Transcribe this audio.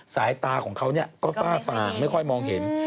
สายตาของเขาก็ฝ้าฟาไม่ค่อยมองเห็น